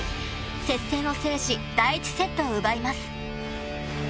接戦を制し第１セットを奪います。